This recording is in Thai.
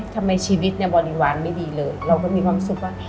ทำไมชีวิตเนี่ยบริวารไม่ดีเลยเราก็มีความรู้สึกว่า